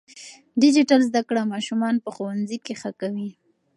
ډیجیټل زده کړه ماشومان په ښوونځي کې ښه کوي.